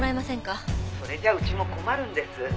「それじゃうちも困るんです」